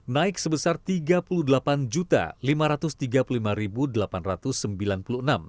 naik sebesar rp tiga puluh delapan lima ratus tiga puluh lima delapan ratus sembilan puluh enam